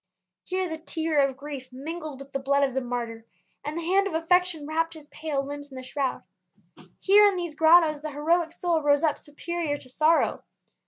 Here the tear of grief mingled with the blood of the martyr, and the hand of affection wrapped his pale limbs in the shroud. Here in these grottoes the heroic soul rose up superior to sorrow.